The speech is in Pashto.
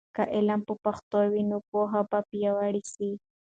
که علم په پښتو وي، نو پوهه به پیاوړې سي.